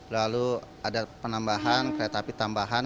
lalu ada penambahan kereta api tambahan